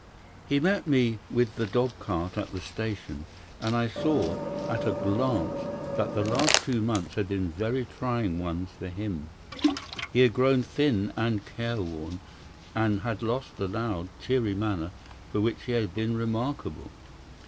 "He met me with the dog cart at the station, and I saw at a glance that the last two months had been very trying ones for him. He had grown thin and careworn, and had lost the loud, cheery manner for which he had been remarkable.